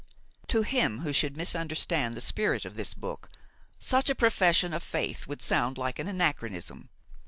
To him who should misunderstand the spirit of this book, such a profession of faith would sound like an anachronism.